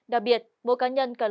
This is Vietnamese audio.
đặc biệt mỗi cá nhân cần luôn chủng